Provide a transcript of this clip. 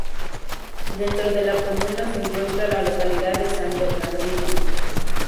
Dentro de la comuna se encuentra la localidad de San Bernardino.